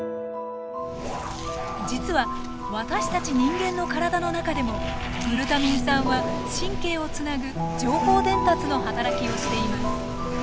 実は私たち人間の体の中でもグルタミン酸は神経をつなぐ情報伝達の働きをしています。